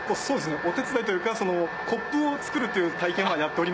お手伝いというかコップを作るという体験はやっておりますので。